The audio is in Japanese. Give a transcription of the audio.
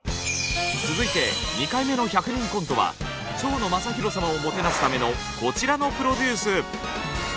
続いて２回目の１００人コントは蝶野正洋様をもてなすためのこちらのプロデュース。